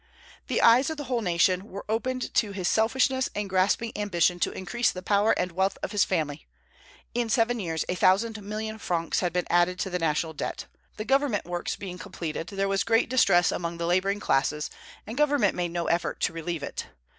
The eyes of the whole nation were opened to his selfishness and grasping ambition to increase the power and wealth of his family. In seven years a thousand million francs had been added to the national debt. The government works being completed, there was great distress among the laboring classes, and government made no effort to relieve it.